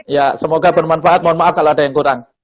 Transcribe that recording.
ya semoga bermanfaat mohon maaf kalau ada yang kurang